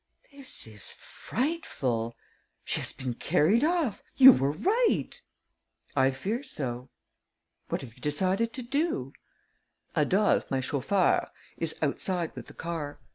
"This is frightful. She has been carried off. You were right." "I fear so." "What have you decided to do?" "Adolphe, my chauffeur, is outside with the car.